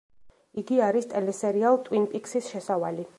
იგი არის ტელესერიალ „ტვინ პიქსის“ შესავალი.